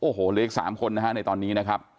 โอ้โหถึงมีอีก๓คนในตอนนี้